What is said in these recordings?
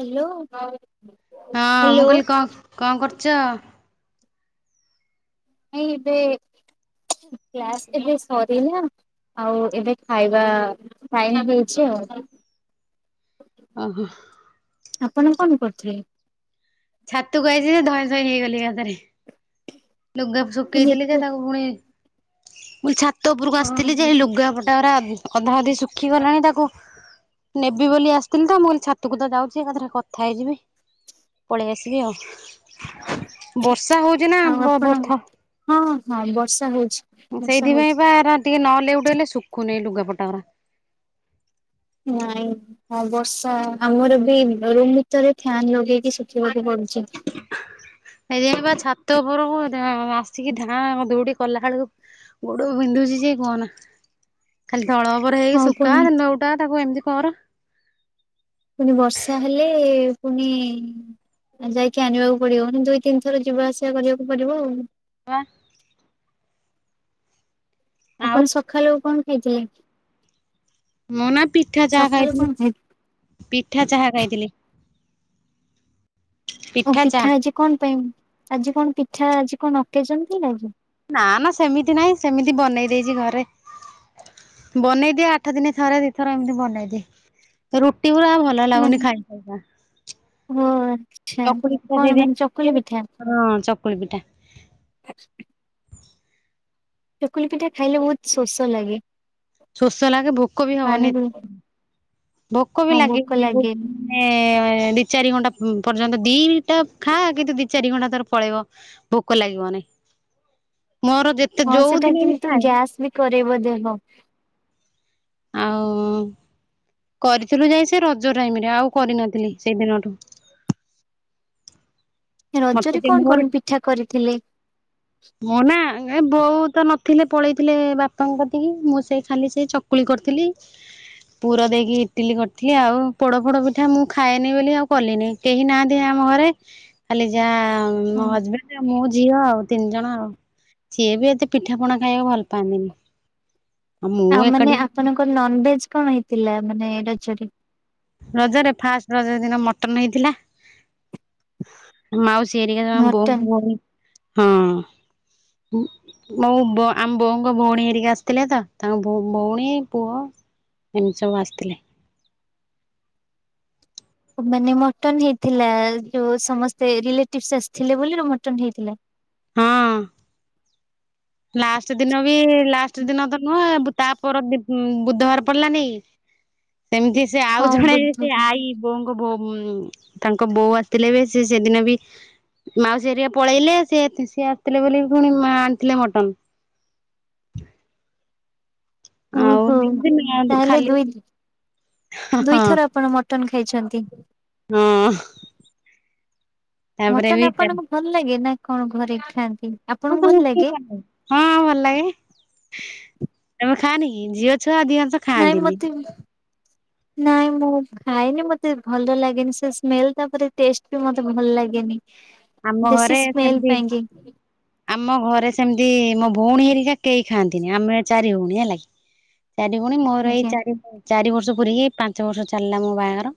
Hello hello. କଁ କରୁଚ? ନାଇଁ ଏବେ କ୍ଲାସ୍ ଥିଲି ସରିଲା। ଆଉ ଏବେ ଖାଇବା ଟାଇମ୍ ହେଇଛି ଆଉ। ଓହୋ। ଆପଣ କଣ କରୁଥୁଲେ? ଛାତୁକୁ ଆଇଚି ଯେ ଧଇଁ ସଇଁ ହେଇଗଲି ଏକା ଥରେ। ଲୁଗା ଶୁକେଇଥିଲେ ଯେ ତାକୁ ଫୁଣି ମୁଁ ଲି ଛା ତ ଓପୂରୁକୁ ଆସିଥିଲି ଯେ ହେ ଲୁଗାପଟା ଅରା ଅଧା ଅଧି ଶୁଖିଗଲାଣି ତାକୁ ନେବି ବୋଲି ଆସିଥିଲି ତ ମୁଁ କହିଲି ଛାତୁକୁ ତ ଯାଉଚି ଏକାଥରେ କଥା ହେଇଯିବି। ପଳେଇ ଆସିବି ଆଉ ବର୍ଷା ହଉଚି ନାଁ? ଆଉ ଆପଣ ହଁ ହଁ ବର୍ଷା ହଉଛି। ଉଁ ବର୍ଷା ହଉଛି। ସେଇଥିପାଇଁ ପା ଏରା ଟିକେ ନ ଲେଉଟେଇଲେ ଶୁଖୁନେଇ ଏ ଲୁାଟାପଟାରା। ନାଇଁ ହଁ ବର୍ଷା ଆମର ବି ରୁମ୍ ଭିତରେ ଫ୍ୟନ୍ ଲଗେଇକି ଶୁଖେଇବାକୁ ପଡୁ ଚି। ସେଇଥିପାଇଁ ପା ଛାତ ଓପରକୁ ଧା ଆସିକି ଧାଁ ଦୌଡି କଲା ବେଳକୁ ଗୋଡ ବିନ୍ଧୁଚି ଯେ କୁହନା। ଖାଲି ତଳ ଉପର ହେଇକି ହଁ ଶୁକା ପୁଣି ଏ ନୋଉଟା ତାକୁ ଏମତି କର। ପୁଣି ବର୍ଷା ହେଲେ ପୁଣି ଆଉ ଯାଇଁକି ଆଣିବାକୁ ପଡିବ ଦୁଇ ତିନି ଥର ଯିବା ଆସିବା କରିବାକୁ ପଡିବ ଆଉ। ପା ଆଉ ଆପଣ ସଖାଳୁ କଣ ଖାଇଥିଲେ? ମୁଁ ନା ପିଠା ଚାହା ସକାଳୁ କଣ ଖାଇଥିଲି ଖାଇଥିଲେ? ପିଠା ଚାହା ଖାଇଥିଲେ। ଓ ପିଠା ଆଜି କଣ ପାଇଁ ଆଜି କଣ ପିଠା ଆଜି କଣ ଅକେଜନ ଥିଲା କି? ନା ନା ସେମିତି ନାହିଁ ସେମିତି ବନେଇ ଦେଇଚି ଘରେ। ବନେଇଦିଏ ଆଠ ଦିନ ଥରେ ଦି ଥର ଏମିତି ବନେଇଦିଏ ରୁଟିଗୁରା ଆଉ ଭ ଭଲ ଲାଗୁନି ଖାଇ ଖାଇକା। ଓହୋ ଚକୁଳି ପିଠା ଯଦି [unintelligible] ହଁ ଚକୁଳି ପିଠା। [unintelligible] ଚକୁଲି ପିଠା ଖାଇଲେ ବୋହୁତ ଶୋଷ ଲାଗେ। ଶୋଷ ଲାଗେ ଭୋକ ବି ହବନି ଏ ଭୋକ ବି ହଁ ଭୋକ ଲାଗିବନି ବୋହୁ ଲାଗେନି ମାନେ ଏ ଦି ଚାରି ଘଣ୍ଟା ଉଁ ପର୍ଯ୍ୟନ୍ତ ଦିଇଟା ଖାଆ କିନ୍ତୁ ଦି ଚାରି ଘଣ୍ଟା ତୋର ପଳେଇବ। ଭୋକ ଲାଗିବନି ମୋର ଯେ ହଁ ସେଟା କିନ୍ତୁ ଗ୍ୟାସ୍ ବି କରେଇବ ଦେହ। ଆଉ କରିଥିଲୁ ଯାଇ ସେ ରଜ ଟାଇମରେ ଆଉ କରିନଥିଲି ସେଇ ଦିନଠୁ। ମତେ ରଜରେ ଟିକେ କଣ ମୋର କଣ ପିଠା କରିଥିଲେ? ମୁଁ ନା ଏ ବୋଉ ତ ନଥିଲେ ପଳେଇଥିଲେ ବାପାଙ୍କ କତିକି ମୁଁ ସେଇ ଖାଲି ସେଇ ଚ କୁଳି କରିଥିଲି। ପୁର ଦେଇକି ଇଟିଲି କରଥିଲି ଆଉ ପୋଡ ଫୋଡ ପିଠା ମୁଁ ଖାଏନି ବୋଲି ଆଉ କଲିନେଇ। କେହି ନାହାନ୍ତି ଆମ ଘରେ ଖାଲି ଯାହା ହଁ ମୋ ହଜବେଣ୍ଡ ଆଉ ମୋ ଝିଅ ଆଉ ତିନି ଜଣ ଆଉ ସିଏ ବି ଏତେ ପିଠା ପଣା ଖାଇବାକୁ ଭଲ ପାଆନ୍ତିନି। ମୁଁ ଆଉ ମାନେ ଏକାଠି ଆପଣଙ୍କର ନନଭେଜ କଣ ହେଇଥିଲା ମାନେ ରଜରେ? ରଜରେ ଫାଷ୍ଟ ରଜ ଦିନ ମଟନ ହେଇଥିଲା। ମାଉସୀ ହେରିକା ତାଙ୍କ ମଟନ ବୋଉଙ୍କୁ କହି ହଁ ହୁଁ ମୋ ବୋ ଆମ ବୋଉଙ୍କ ଭୋଉଣୀ ହେରିକି ଆସିଥିଲେ ତ ତାଙ୍କ ଭୋ ଭୋଉଣୀ, ପୁଅ ଏମିତି ସବୁ ଆସିଥିଲେ। ଓ ମାନେ ମଟନ ହେଇଥିଲା ଯୋଉ ସମସ୍ତେ ରିଲେଟିଭସ୍ ଆସିଥିଲେ ବୋଲିରୁ ମଟନ ହେଇଥିଲା। ହଁ। ଲାଷ୍ଟ ଦିନ ବି ଲାଷ୍ଟ ଦିନ ତ ନୁହଁ ଏ ବୁ ତାପର ଦି ଉଁ ବୁଧବାର ପଡିଲାନି କି ସେମତିଆ ସିଏ ହଁ ଆଉ ଜଣେ ବୁଝ ବି ସେଇ ଆଈ ବୋଉଙ୍କ ବୋଉ ଉଁ ତାଙ୍କ ବୋଉ ଆସିଥିଲେ ବି ସେ ସେଦିନ ବି ମାଉସୀ ହରିକା ପଳେଇଲେ ସିଏ ତି ସିଏ ଆସିଥିଲେ ବୋଲି ପୁଣି ମା ଆଣିଥିଲେ ମ ଟନ୍। ଓହୋ ତାହେଲେ ଖାଲି ଦୁଇ ଦ୍ ହଁ ଦୁଇଥର ଆପଣ ମଟନ ଖାଇଛନ୍ତି। ହଁ ତାପରେ ବି ମଟନ ଆପଣଙ୍କୁ ହଁ ଭଲ ଲାଗେ ନା କଣ ଘରେ ଖାଆନ୍ତି? ହଁ ଆପଣଙ୍କୁ ଯେ ଭଲ ନିଜେ ଲାଗେ? କଲେ। ହଁ ଭଲ ଲାଗେ ତମେ ଖାଅନି କି ଝିଅ ଛୁଆ ଅଧିକାଂଶ ନାଇଁ ଖାଆନ୍ତିନି ମତେ ନାଇଁ ମୁଁ ଖାଏନି ମତେ ଭଲ ଲାଗେନି ସେ ସ୍ମେଲ ତାପରେ ଟେଷ୍ଟ ବି ମତେ ଭଲ ଲାଗେନି। ଆମ ଘରେ ବେଶି ସ୍ମେଲ ସେମିତି ପାଇଁ କି। ଆମ ଘରେ ସେମିତି ମୋ ଭଉଣୀ ହେରିକା କେହି ଖାଆନ୍ତିନି ଆମେ ଚାରି ଭଉଣୀ ହେଲାକିି ଚାରି ଭଉଣୀ ମୋର ଏଇ ଆଜ୍ଞା। ଚାରି ଚାରି ବର୍ଷ ପୁରୀକି ପାଞ୍ଚ ବର୍ଷ ଚାଲିଲା ମୋ ବାହାଘର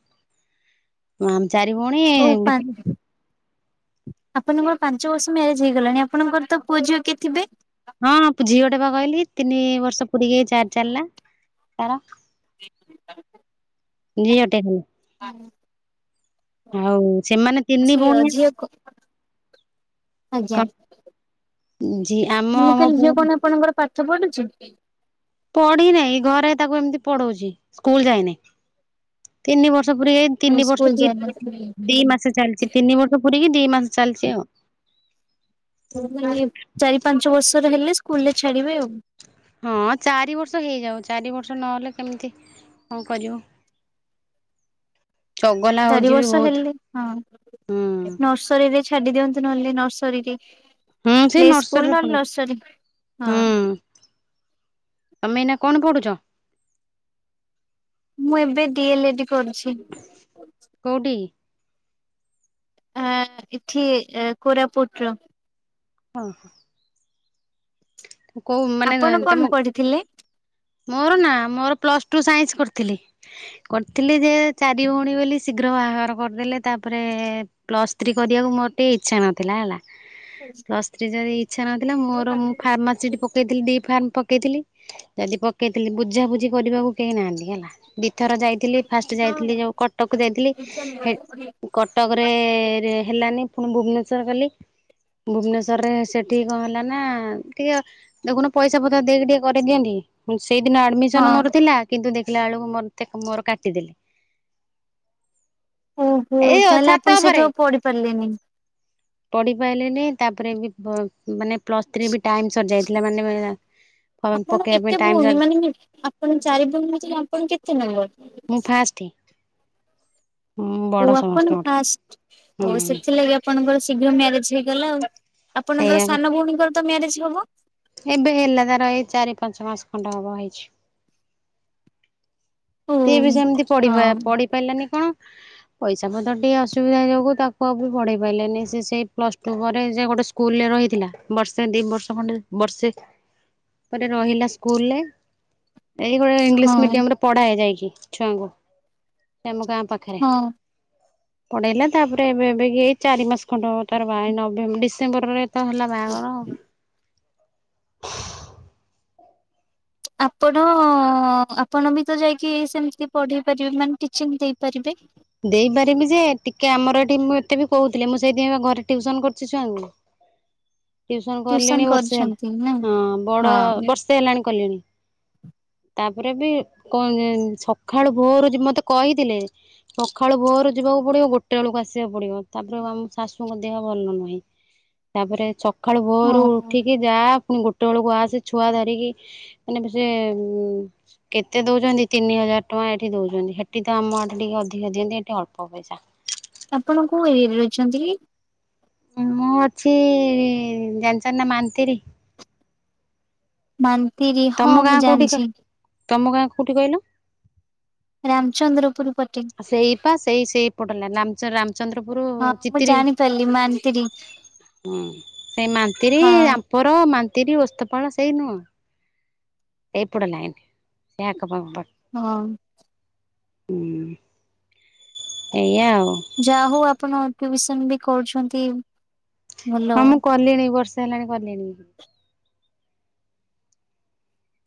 ମା ଚାରି ଭଉଣୀ ଓଉ ପା ଆପଣଙ୍କର ପାଞ୍ଚ ବର୍ଷ ମ୍ୟାରେଜ୍ ହେଇଗଲାଣି ଆପଣଙ୍କରତ ପୁଅ ଝିଅ କିଏ ଥିବେ? ହଁ ଝିଅଟେପା କହିଲି ତିନି ବର୍ଷ ପୁରୀକି ଏଇ ଚାରି ଚାଲିଲା ତାର। [inaudible] ଝିଅଟେ ଖାଲି। ଆଉ ସେମାନେ ତିନି ଝିଅ ଭଉଣୀ ଯାକ ଝିଅକୁ ଆଜ୍ଞା ଝି ଆମ ମୋ ମୁକହିଲି ଝିଅ ଭଉଣୀ କଣ ଆପଣଙ୍କର ପାଠ ପଢ଼ୁଚି? ପଢ଼ିନେହିଁ ଘରେ ତାକୁ ଏମିତି ପଢ଼ଉଚି ସ୍କୁଲ୍ ଯାଇନି ତିନି ବର୍ଷ ପୁରିକି ଏଇ ତିନି ସ୍କୁଲ ବର୍ଷ ଦି ଯାଇନଥିଲି ଦିମାସ ଚାଲିଚି ତିନି ବର୍ଷ ପୁରୀକି ଦିମାସ ଚାଲିଚି ଆଉ। ମୁକଇଲି ଚାରି ପାଞ୍ଚ ବର୍ଷର ହେଲେ ସ୍କୁଲରେ ଛାଡ଼ିବେ ଆଉ। ହଁ ଚାରି ବର୍ଷ ହେଇଯାଉ ଚାରି ବର୍ଷ ନହେଲେ କେମିତି କଣ କରିବୁ। ଚଗଲା ହଉଛି ବି ଚାରିବର୍ଷ ବହୁତ ହେଲେ ହଁ। ହୁଁ ନର୍ସରୀରେ ଛାଡି ଦିଅନ୍ତୁ ନହେଲେ ନର୍ସରୀକି। ହୁଁ ସେଇ ପ୍ଳେ ସ୍କୁଲ୍ ନର୍ସରୀରେ ନହେଲେ ପଢୁ ନର୍ସରି ହଁ। ହୁଁ ତମେ ଏଇନା କଣ ପଢୁଚ? ମୁଁ ଏବେ ଡିଏଲ୍ ଏଡି କରିଛି। କୋଉଠି? ଆ ଏଠି ଏ କୋରାପୁଟର। ହଁ। କୋଉ ମାନେ ତମ ଥିଲେ। ମୋରନା ମୋର ପ୍ଲସ୍ ଟୁ ସାଇନ୍ସ କରିଥିଲି। କରିଥିଲିଯେ ଚାରି ଭଉଣୀ ବୋଲି ଶୀଘ୍ର ବାହାଘର କରିଦେଲେ ତାପରେ ପ୍ଲସ୍ ଥ୍ରୀ କରିବାକୁ ମୋର ଟିକେ ଇଚ୍ଛା ନଥିଲା ହେଲା। ପ୍ଲସ୍ ଥ୍ରୀ ଯଦି ଇଛା ନଥିଲା ହଁ ମୋରମୁ ଫାର୍ମାସିଷ୍ଟ ପ ପକେଇଥିଲି ଡି ଫାର୍ମ ପକେଇଥିଲି। ଯଦି ପକେଇଥିଲି ବୁଝାବୁଝି କରିବାକୁ କେହି ନାହାନ୍ତି ହେଲା ଦିଥର ଯାଇ ଥିଲି ଫାଷ୍ଟ ଯାଇଥିଲି ଯୋଉ କଟକ ଯାଇଥିଲି ହେ କଟକରେ ରେ ହେଲାନି ପୁଣି ଭୁବନେଶ୍ୱର ଗଲି। ଭୁବନେଶ୍ୱରରେ ସେଠି କଣ ହେଲାନା ଟିକେ ଦେଖୁନ ପଇସା ପତ୍ର ଦେଇକି ଟିକେ କରିଦିଅନ୍ତି ସେଇଦିନ ଆଡ଼ମିଶନ୍ ମୋର ଥିଲା। କିନ୍ତୁ ଦେଖିଲା ବେଳକୁ ମୋତେ ମୋର କାଟିଦେଲେ। ଓହୋ ଏଇ ତାହେଲେ ଛାତ ଆପଣ ସେଇଠୁ ଆଉ ପଢିପାରିଲେନି? ପଢ଼ିପାରିଲିନି ତାପରେବି ବ ମାନେ ପ୍ଲସ୍ ଥ୍ରୀବି ଟାଇମ୍ ସରି ଯାଇଥିଲା ମାନେ ଫର୍ମ ପକେଇବା ପାଇଁ। ଟାଇମ୍ ଭୋଉଣୀ ସରି ମାନେ ଆପଣ ଚାରି ଭୋଉଣୀ [unintelligible] ଆପଣ କେତେ ନମ୍ବର ଫାଷ୍ଟେ। ଓ ଆପଣ ଫାଷ୍ଟେ ଓ ହୁଁ ସେଥିଲାଗି ଆପ ଆପଣଙ୍କର ଶୀଘ୍ର ମ୍ୟାରେଜ୍ ହେଇଗଲା ଆଉ ସେଇଆ ଆପଣଙ୍କର ସାନ ଭଉଣୀଙ୍କରତ ମ୍ୟାରେଜ୍ ହବ? ଏବେ ହେଲାତାର ଏଇଚାରି ପାଞ୍ଚମାସେ ଖଣ୍ଡ ହବ ହେଇଚି। ଓ ସିଏବି ସେମିତି ହଁ ପଢିପା ପଢ଼ି ପାରିଲାନି କଣ ପଇସା ପତ୍ର ଟିକେ ଅସୁବିଧା ଯୋଗୁ ତାକୁ ଆଉବି ପଢେଇ ପାରିଲେନି ସିଏ ସେଇ ପ୍ଲସ୍ ଟୁ ପରେ ସେଗୋଟେ ସ୍କୁଲରେ ରହିଥିଲା ବର୍ଷେ ଦିବର୍ଷ ଖଣ୍ଡେ ବର୍ଷେ ପରେ ରହିଲା ସ୍କୁଲଲେ ଏଇ ଗୋଟେ ହଁ ଇଂଲିଶ ମିଡିୟମରେ ପଢ଼ାଏ ଯାଇକି ଛୁଆଙ୍କୁ ସେଆମ ଗାଁ ପାଖରେ। ହଁ। ପଢେଇଲା ତାପରେ ଏବେ ଏବେ କି ଏଇ ଚାରି ମାସ ଖଣ୍ଡ ତାର ବା ନଭେମ୍ବ ଡିସେମ୍ବରରେ ତା ହେଲା ବାହାଘର ଆଉ। ଆପଣ ଆପଣ ବି ତ ଯାଇକି ସେମତି ପଢେଇ ପାରିବେ ମାନେ ଟିଚିଂ ଦେଇପାରିବେ। ଦେଇପାରିବି ଯେ, ଟିକେ ଆମର ଏଠି ମୁଁ ଏତେ ବି କହୁଥିଲି ମୁଁ ସେଇଥିପାଇଁ ପା ଘରେ ଟ୍ୟୁସନ କରୁଚି ଛୁଆଙ୍କୁ। [inaudible] ଟିଉସନ କଲିଣି ବର୍ଷେ କରିଛନ୍ତି ନା ହେଲା। ହଁ ବଡ ହଁ ବର୍ଷେ ହେଲାଣି କଲିଣି। ତାପରେ ବି କ ସକାଳୁ ଭୋରୁ ମତେ କହିଥିଲେ। ସକାଳୁ ଭୋରୁ ଯିବାକୁ ପଡିବ, ଗୋଟେ ବେଳକୁ ଆସିବାକୁ ପଡିବ। ତାପରେ ଆମ ଶାଶୁଙ୍କ ଦେହ ଭଲ ନାହିଁ। ତାପରେ ସକାଳୁ ଭୋରୁ ହଁ। ଉଠିକି ଯା, ପୁଣି ଗୋଟେ ବେଳକୁ ଆସେ ଛୁଆ ଧରିକି। [unintelligible] ସେ କେତେ ଦଉଚନ୍ତି ତିନି ହଜାର ଟଙ୍କା ଏଠି ଦଉଛନ୍ତି। ହେଠି ତ ଆମ ଆଡେ ଟିକେ ଅଧି କ ଦିଅନ୍ତି ଏଠି ଅଳ୍ପ ପଇସା। ଆପଣ କୋଉ ଏରିଆରେ ରହିଛନ୍ତି କି? ମୁଁ ଅଛି ଜାଣିଛନ୍ତି ମାଣିତିରି। ମାଣିତିରି ତମ ଗାଁ କୋଉଠି କ ତମ ଗାଁ କୋଉଠି କହିଲ? ରାମଚନ୍ଦ୍ରପୁର୍ ପ ସେଇପା ସେଇ ସେଇ ପଟ ଲାଇନ୍। [unintelligible] ଚନ୍ଦ୍ରପୁର ହଁ ମୁଁ ଚିତିରି ଜାଣିପାରିଲି ମାନ୍ତିରି ହୁଁ ସେଇ ମାଣିତିରି ହଁ ଆ ପର ମାନ୍ତିର ଓସ୍ତପାଳ ସେଇ ନୁହଁ। ଏଇପଟ ଲାଇନ୍। ସେଇ ଆଖ ପାଖ ପା [unintelligible] ହୁଁ। ଏଇଆ ଆଉ। ଯା ହଉ ଆପଣ ଟ୍ୟୁସନ ବି କରୁଛନ୍ତି। ଭଲ। ହଁ ମୁଁ କଲିଣି ବର୍ଷ ହେଲାଣି କଲିଣି।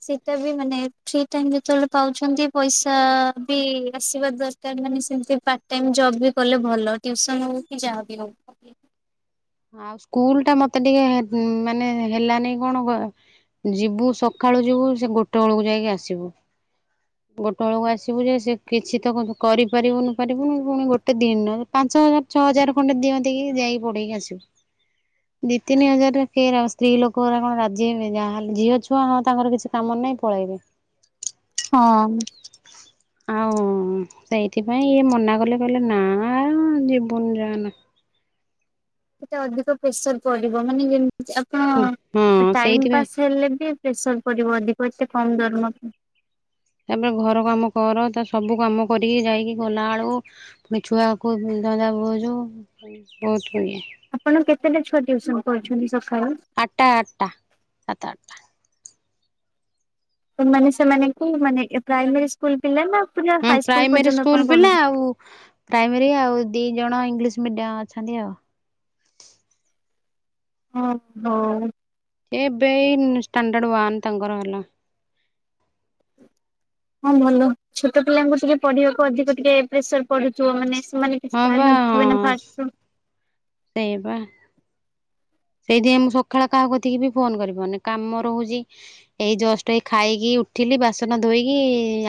ସେଇଟା ବି ମାନେ ଫ୍ରି ଟାଇମ୍ ଯେତେବେଳେ ପାଉଛନ୍ତି ପଇସା ବି ଆସିବା ଦର କାର୍ ମାନେ ସେମତି ପାର୍ଟ ଟାଇମ ଜବ୍ ବି କଲେ ଭଲ। ଟ୍ୟୁସନ ହଉ କି ଯାହା ବି ହଉ। ଆଉ ସ୍କୁଲ ଟା ମତେ ଟିକେ ମାନେ ହେଲାନି କଣ ଯିବୁ ସଖାଳୁ ଯିବୁ ସେ ଗୋଟେ ବେଳକୁ ଯାଇକି ଆସିବୁ। [inaudible] ଗୋଟେ ବେଳକୁ ଆସିବୁ ଯେ, ସେ କିଛି ତ କରିପାରିବୁନୁ ପାରିବୁନୁ ପୁଣି ଗୋଟେ ଦିନରେ ପାଞ୍ଚ ହଜାର ଛଅ ହଜାର ଖଣ୍ଡେ ଦିଅନ୍ତେକି ଯାଇକି ପଢେଇକି ଆସିବୁ। ଦି ତିନି ହଜାର ରେ କିଏ ହେରା ଆଉ ସ୍ତ୍ରୀ ଲୋକରା କଣ ରାଜି ହେବେ ଯାହାହେଲେ ଝିଅ ଛୁଆ ହଁ ତାଙ୍କର କିଛି କାମ ନାହିଁ ପଳେଇବେ। ହଁ। ଆଉ ସେଇଥିପାଇଁ ଇଏ ମନା କଲେ, କହିଲେ ନା ଯିବୁନି ଯାଆନା। ସେତେ ଅଧିକ ପ୍ରେସର ପଡିବ। ମାନେ ଯେମତି ହଁ ଆପଣ ଟାଇମ୍ ସେଇଥିପାଇଁ ପାସ୍ ହେଲେ ବି ପ୍ରେସର୍ ପଡିବ ଅଧିକ ଏତେ କମ୍ ଦରମାକୁ। ତାପରେ ଘର କାମ କର, ତା ସବୁ କାମ କରିକି ଯାଇକି ଗଲା ବେଳକୁ ପୁଣି ଛୁଆକୁ ଧନ୍ଦା ବୁଝୁ। ବହୁତ୍ ଇଏ। ଆପଣ କେତେଟା ଛୁଆ ଟିଉସନ୍ କରୁଛନ୍ତି ସଖାଳୁ? ଆଟା ଆଟା। ସାତ ଆଟ ମାନେ ସେମାନଙ୍କୁ ମାନେ ଏ ପ୍ରାଇମେରୀ ସ୍କୁଲ ପିଲା ନା ପୁରା ହଁ ହାଇ ସ୍କୁଲ ପ୍ରାଇମେରୀ ପର୍ଯ୍ୟନ୍ତ ଆପଣ ପିଲା ପଢଉଛନ୍ତି? ଆଉ ପ୍ରାଇମେରୀ ଆଉ ଦି ଜଣ ଇଂଲିଶ ମିଡିୟମ ଅଛନ୍ତି ଆଉ। ଓ ହୋ। ଏ ଏବେ ଏଇ ଷ୍ଟାଣ୍ଡଡ ୱାନ୍ ତାଙ୍କର ହେଲା। ହ [unintelligible] ହଁ ଭଲ। ଛୋଟ ପିଲାଙ୍କୁ ଟିକେ ପଢିବାକୁ ଅଧିକ ଟିକେ ପ୍ରେସର ପଡୁଥିବ ମାନେ ସେମାନେ ହଁ ବା [unintelligible] ଫାଷ୍ଟ ରୁ। ସେଇପା। ସେଇଥିପାଇଁ ମୁଁ ସଖାଳେ କାହା କତିିକି ବି ଫୋନ୍ କରିପାରୁନି, କାମ ରହୁଚି। ଏଇ ଜଷ୍ଟ ଏଇ ଖାଇକି ଉଠିଲି ବାସନ ଧୋଇକି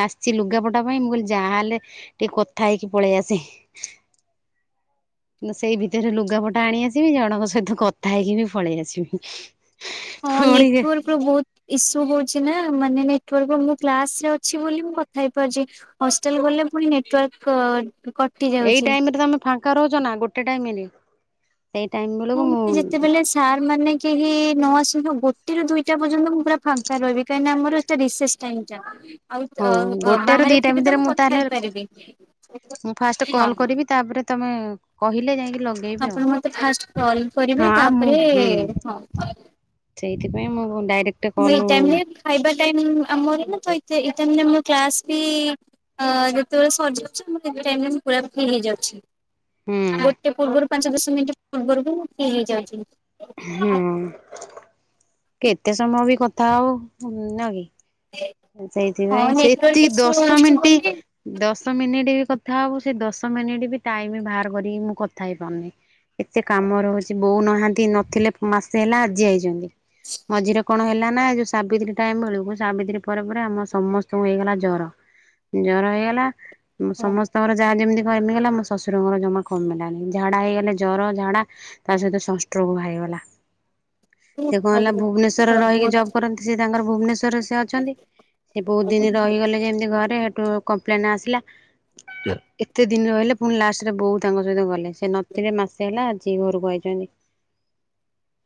ଆସିଚି ଲୁଗାପଟା ପାଇଁ ମୁଁ କହିଲି ଯାହାହେଲେ ଟିକେ କଥା ହେଇକି ପଳେଇ ଆସେ। ସେଇ ଭିତରେ ଲୁଗାପଟା ଆଣି ଆସିବି ଜଣଙ୍କ ସହିତ କଥା ହେଇକି ବି ପଳେଇ ଆସିବି। ହଁ ପୁଣି ନିପୁଲ୍। ବହୁତ ଇସୁ ହଉଛି ନା ମାନେ ନେଟାର୍କ ମୁଁ କ୍ଲାସ ରେ ଅଛି ବୋଲି ମୁଁ କଥା ହେଇପାରୁଛି। ହଷ୍ଟେଲ ଗଲେ ପୁଣି ନେଟ୍ ୱକ୍ରକଟ ଏଇ ଟାଇମ ରେ ତମେ ଫାଙ୍କା ରହୁଛ ନା ଗୋଟେ ଟାଇମରେ ସେଇ ଟାଇମ ବେଳକୁ ମାନେ ମୁଁ। ଯେତେବେଳେ ସାର୍ ମାନେ କେହି ନ ଆସନ୍ତୁ ଗୋଟେରୁୁ ଦିଇଟା ପର୍ଯ୍ୟନ୍ତ ମୁଁ ପୁରା ଫାଙ୍କା ରହିବି କାହିଁକି ନା ଆମର ଏଟାରିଷେ ଟାଇମଟା ଆଉତ ହଉ ଅ ଗୋଟେ ରୁ ବାହାରେ ଦିଟା ଥିବେ ଭିତରେ ତମୁଁ ମୁଁ କଥା ତାହେଲେ ହେଇପାରିବି ମୁଁ ଫାଷ୍ଟ କଲ୍ ହଁ। କରିବି ତାପରେ ତମେ କହିଲେ ଯାଇକି ଲଗେ ଆପଣ ମତେ ଫାଷ୍ଟ କଲ କରିବେ ତାପରେ ହଁ। ଚଇଥିପାଇଁ ମୁଁ ଡାଇକ୍ଟ ଏଇ ଟାଇମ୍ ଖାଇବା ଟାଇମ୍ ଆମର ଏଇଟାମ୍ ଆମର କ୍ଲାସ ବି- ହଁଯେତେବେଳେ ସରିଯାଉଛି ମୁଁ ଫିଟାଇମିରେପଳିଆସୁଚି ଫି ହେଇଯାଉଛି। ହୁଁ ଆଉଗୋଟେ ପୂର୍ବରୁ ପାଞ୍ଚ ଦଶ ମିନିଟ୍ ପୂର୍ବରୁ ବିମୁଁଫି ହେଇଯାଉଛି। ହୁଁ। କେତେ ସମୟ ବି କଥା ହଉ ନା କି? ଇଏ। ସେଇଥିପାଇଁ ସେତିକି ଦଶ ମିନିଟ। ବୋଲି ଦଶ ମିନିଟ ବି କଥା ହେବୁ ସେ ଦଶ ମିନିଟ ବି ଟାଇମ ବାହାର କରିକି ମୁଁ କଥା ହେଇ ପାରୁନି। ଏତେ କାମ ରହୁଛି ବୋଉ ନାହାନ୍ତି ନଥିଲେ ମାସେ ହେଲା ଆଜି ଆଇଛନ୍ତି। ମଝିରେ କଣ ହେଲା ନା ଯୋଉ ସାବିତ୍ରୀ ଟାଇମ ବେଳୁକୁ ସାବିତ୍ରୀ ପରେ ପରେ ଆମ ସମସ୍ତଙ୍କୁ ହେଇଗଲା ଜର ଜର ହେଇଗଲା। ସମସ୍ତଙ୍କର ଯାହା ଯେମିତି କମିଗଲା ମୋ ଶଶୁରଙ୍କର ଜମା କମଲାନି ଝାଡା ହେଇଗଲେ ଜର ଝାଡା। ତା ସହିତ ଷଷ୍ଟ୍ରେ କ୍ ବାହାରିଗଲା। ସେ କଣ ହେଲା ଭୁବନେଶ୍ଵରରେ ରହିକି ଜବ୍ କରନ୍ତି ସେ ତାଙ୍କର ଭୁବନେଶ୍ଵରରେ ସେ ଅଛନ୍ତି। ସେ ବହୁତ ଦିନି ରହିଗଲେ ଯେମିତି ଘରେ ହେଟୁ କମ୍ପ୍ଲେନ ଆସିଲା ଏତେ ଦିନ ରହିଲେ ପୁଣି ଲାଷ୍ଟରେ ବୋଉ ତାଙ୍କ ସହିତ ଗଲେ। ସେ ନତଥିଲେ ମାସେ ହେଲା ଆଜିି ଘରକୁ ଆଇଚନ୍ତି।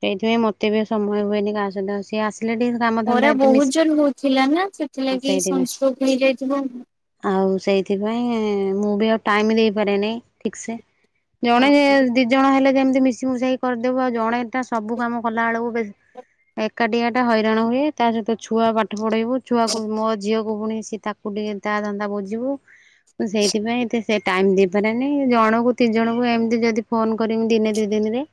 ଏଇଥିପାଇଁ ମେତେ ବି ସମୟ ହୁଏନି କାହା ସହିତ ସିଏ ଆସିଲ ଟିକେ କାମଧନ୍ଦା ଖରା ଏତେ ମିଶ ବହୁତ ଜେରେ ହଉଥିଲା ନା ହଁ ସେଥିଲାଗି ସେଇଥିପାଇଁ। ସଂସଷ୍ଟ୍ରୋକ ହେଇଯାଇଥିବ। ଆଉ ସେଇଥିପାଇଁ ମୁଁ ବି ଆଉ ଟାଇମ ଦେଇପାରେନି ଠିକ ସେ। ଜଣେ ହଁ। ଯେ ଦି ଜଣ ହେଲେ ଯେମିତି ମିଶିମୁସାକି କରିଦେବୁ ଆଉ ଜଣେଟା ସବୁ କାମ କଲା ବେଳକୁ ବେ ଏକାଟି ଆଟା ହଇରାଣ ହୁଏ ତା ସହିତ ଛୁଆ ପାଠ ପଢ଼େଇବୁ। ଛୁଆକୁ ମୋ ଝିଅକୁ ପୁଣି ସି ତାକୁ ଟିକେ ତା ଧନ୍ଦା ବୁଝିବୁ। ସେଇଥିପାଇଁ ଏତେ ସେ ଟାଇମ ଦେଇପାରାନି ଜଣଙ୍କୁ ତିି ଜଣଙ୍କୁ ଏମିତି ଯଦି ଫୋନ କରମି ଦିନେ ଦିଇ ଦିନରେ।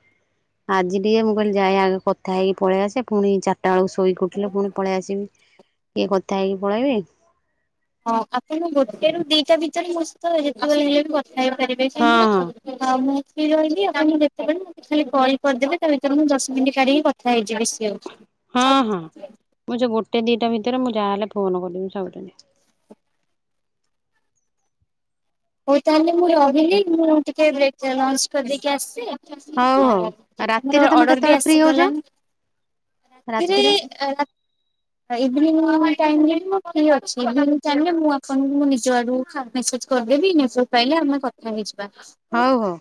ଆଜି ଟିକେ ମୁଁ କହିଲି ଯାଏ ଆଗେ କଥା ହେଇକି ପଳେଇ ଆସେ ପୁଣି ଚାରିଟା ବେଳକୁ ଶୋଇକି ଉଠିଲେ ପୁଣି ପଳେଇ ଆସିବି। ଟିକେ କଥା ହେଇକି ପଳେଇବେ। ହଁ ଆପଣ ଗୋଟେ ରୁ ଦିଟା ଭିତରେ ମେସହିତ କଥା ହେଇପାରିବେ ହଁ କାହିଁକି ନା ହଉ ମୁଁ ଫ୍ରୀ ରହିଲି ଆପଣ ଯେତେବେଳେ ଖାଲି କଲ କରିଦେବେ ତା ଭିତରେ ମୁଁ ଦଶ ମିନିଟ୍ କାଢିକି କଥା ହେଇଯିବି ସିଅର୍। ହଁ ହଁ ମୁଁ ସେ ଗୋଟେ ଦିଟା ଭିତରେ ମୁଁ ଯାହାହେଲେ ଫୋନ କରିିବି ସବୁଦିନେ। ହଉ ତାହେଲେ ମୁଁ ରହିଲି ମୁଁ ଟିକେବ୍ରେକେଟା ଲଞ୍ଚ କରିଦେଇକି ଆସେ। ହଁ ହଉ ହଉ ରାତିରେ ତମେ ତମରଅର୍ଡର ବି କେତେବେଳେ ଫ୍ରି ହଉଛ ଆସିଗଲାଣି। ରାତିରେ ରାତିରେହାଲା। ଇଭିନିଙ୍ଗ୍ ଟାଇମ୍ ରେ ମୁଁଫ୍ରି ଅଛି ଇଭିନିଙ୍ଗ୍ ଟାଇମ୍ ମୁଁ ଆପଣଙ୍କୁମୋ ନିଜ ଆଡୁ ମେସେଜ କର ଦେବି ନିଯପାଇଁ ଆମେ କଥା ହେଇଯିବା। ହଉ ହଉ।